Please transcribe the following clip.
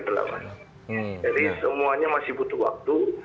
jadi semuanya masih butuh waktu